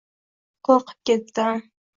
Qo‘rqib ketdim.